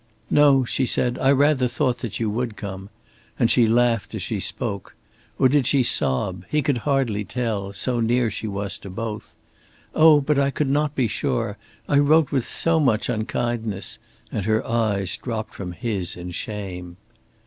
"No," she said, "I rather thought that you would come," and she laughed as she spoke. Or did she sob? He could hardly tell, so near she was to both. "Oh, but I could not be sure! I wrote with so much unkindness," and her eyes dropped from his in shame.